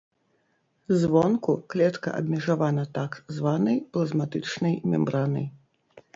Звонку клетка абмежавана так званай плазматычнай мембранай.